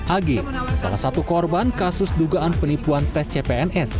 ag salah satu korban kasus dugaan penipuan tes cpns